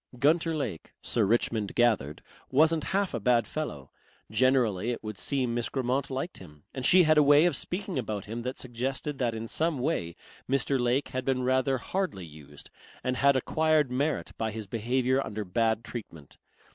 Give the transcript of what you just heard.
Gunter Lake, Sir Richmond gathered, wasn't half a bad fellow. Generally it would seem Miss Grammont liked him, and she had a way of speaking about him that suggested that in some way Mr. Lake had been rather hardly used and had acquired merit by his behaviour under bad treatment.